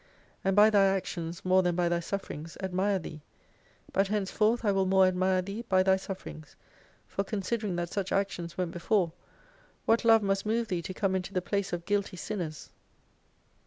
And by Thy actions more than by Thy sufferings admire Thee. But henceforth I will more admire Thee by Thy sufferings ; for considering that such actions went before ; what love must move Thee to come into the place of guilty Sinners